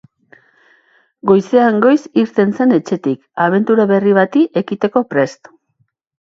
Goizean goiz irten zen etxetik, abentura berri bati ekiteko prest.